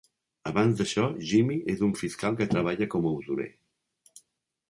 Abans d'això, Jimmy és un fiscal que treballa com a usurer.